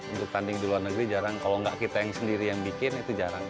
untuk tanding di luar negeri jarang kalau nggak kita yang sendiri yang bikin itu jarang